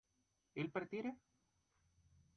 ¿él partiera?